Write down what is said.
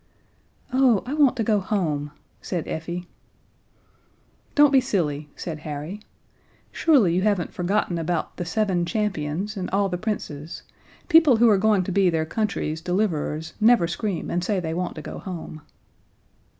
"Oh, I want to go home," said Effie. "Don't be silly," said Harry. "Surely you haven't forgotten about the Seven Champions and all the princes. People who are going to be their country's deliverers never scream and say they want to go home."